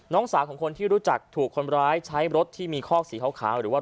น้องสาวของคนที่รู้จักถูกคนร้ายใช้รถที่มีคอกสีขาวหรือว่า